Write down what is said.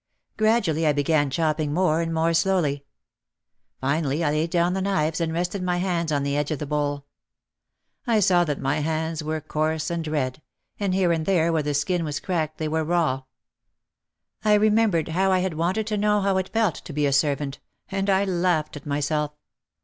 Gradually I began chopping more and more slowly. Finally I laid down the knives and rested my hands on the edge of the bowl. I saw that my hands were coarse and red, and here and there where the skin was cracked they were raw. I remembered how I had wanted to know how it felt to be a servant and I laughed at myself.